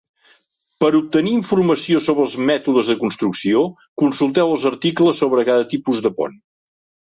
Per obtenir informació sobre els mètodes de construcció, consulteu els articles sobre cada tipus de pont.